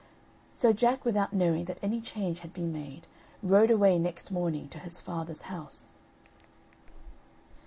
So Jack without knowing that any change had been made, rode away next morning to his father's house.